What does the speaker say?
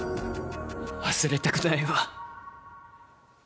忘れたくないわ。